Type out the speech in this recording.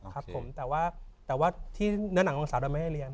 ครับผมแต่ว่าที่เนื้อหนังของสาวดำไม่ให้เรียน